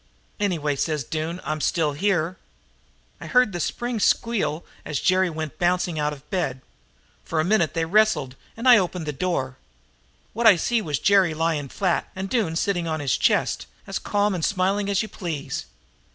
"'Anyway,' says Doone, 'I'm still here.' "I heard the springs squeal, as Jerry went bouncing out of bed. For a minute they wrestled, and I opened the door. What I see was Jerry lying flat, and Doone sitting on his chest, as calm and smiling as you please.